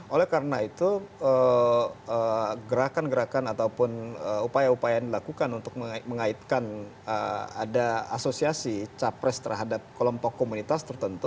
oleh karena itu gerakan gerakan ataupun upaya upaya yang dilakukan untuk mengaitkan ada asosiasi capres terhadap kelompok komunitas tertentu